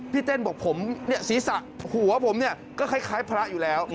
เต้นบอกผมศีรษะหัวผมเนี่ยก็คล้ายพระอยู่แล้ว